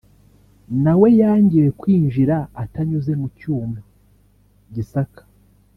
nawe yangiwe kwinjira atanyuze mu cyuma gisaka